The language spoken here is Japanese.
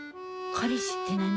彼氏って何？